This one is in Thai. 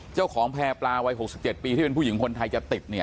เจ้าของแพรพลาวัย๖๗ปีที่เป็นผู้หญิงคนไทยจะติดเนี่ย